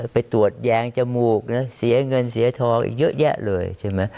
ไปตรวจแยงจมูกนะเสียเงินเสียทองอีกเยอะแยะเลยใช่ไหม